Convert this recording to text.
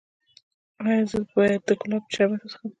ایا زه باید د ګلاب شربت وڅښم؟